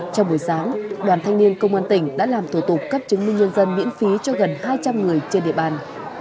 trong buổi sáng đoàn thanh niên công an tỉnh đã làm thủ tục cấp chứng minh nhân dân miễn phí cho gần hai trăm linh người trên địa bàn